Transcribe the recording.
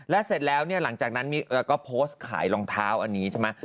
และเสร็จแล้วเนี่ยหลังจากนั้นก็โพสต์ขายรองเท้าอันนี้ใช่ไหม